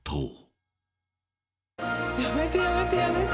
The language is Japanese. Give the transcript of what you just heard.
やめてやめてやめて。